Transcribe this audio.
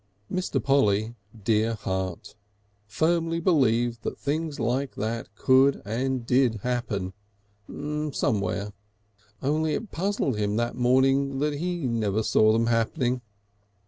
Mr. Polly, dear heart! firmly believed that things like that could and did happen somewhere. Only it puzzled him that morning that he never saw them happening.